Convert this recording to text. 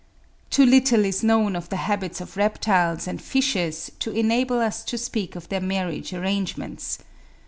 Too little is known of the habits of reptiles and fishes to enable us to speak of their marriage arrangements.